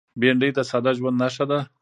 بېنډۍ د ساده ژوند نښه ده